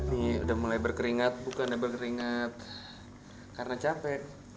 ini udah mulai berkeringat bukan berkeringat karena capek